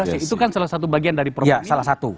itu kan salah satu bagian dari salah satu